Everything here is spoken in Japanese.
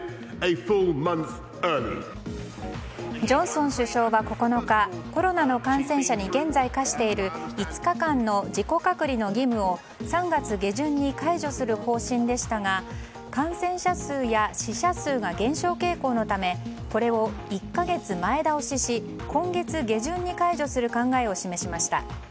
ジョンソン首相は９日コロナの感染者に現在課している５日間の自己隔離の義務を３月下旬に解除する方針でしたが感染者数や死者数が減少傾向のためこれを１か月前倒しし今月下旬に解除する考えを示しました。